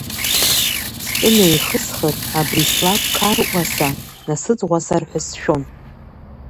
Сҿы неихысхыр, абри слакә қаруаса насыҵӷәасар ҳәа сшәон.